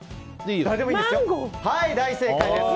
大正解です！